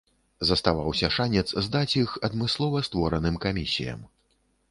Заставаўся шанец здаць іх адмыслова створаным камісіям.